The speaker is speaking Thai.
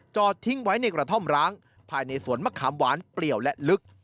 จอดทิ้งไว้ในกระท่อมร้างภายในสวนมะขามหวานเปลี่ยวและลึก